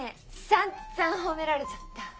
さんざん褒められちゃった。